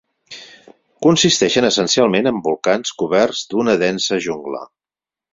Consisteixen essencialment en volcans coberts d'una densa jungla.